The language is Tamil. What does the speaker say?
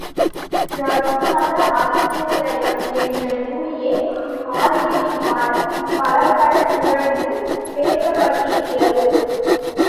ரகுநாத அத்பூதயம் என்ற நூலிலே இம்மாளிகையின் வனப்பு பலப்படப் புகழ்ந்து பேசப்பட்டிருக்கிறது.